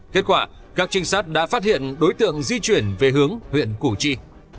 kết quả các trinh sát đã phát hiện đối tượng di chuyển về hướng huyện củ chi